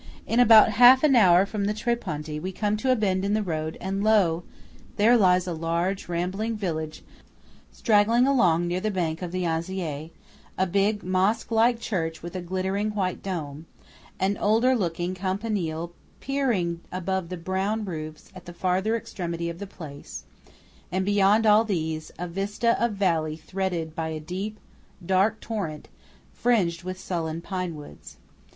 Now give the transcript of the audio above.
In about half an hour from the Tre Ponti, we come to a bend in the road, and lo! There lies a large, rambling village straggling along the near bank of the Anziei; a big mosque like church with a glittering white dome; an older looking campanile peering above the brown roofs at the farther extremity of the place; and beyond all these, a vista of valley threaded by a deep, dark torrent fringed with sullen pine woods.